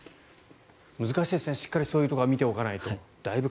難しいですねそういうところは見ておかないと。